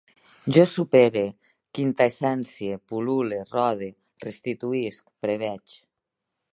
Jo supere, quintaessencie, pul·lule, rode, restituïsc, preveig